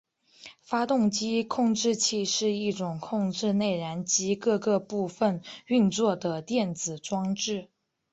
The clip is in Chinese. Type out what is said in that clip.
发动机控制器是一种控制内燃机各个部分运作的电子装置。